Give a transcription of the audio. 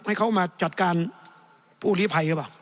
ให้เขามาจัดการผู้ลิภัยหรือเปล่า